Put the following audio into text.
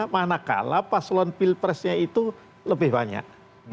manakala paslon pilpresnya itu lebih banyak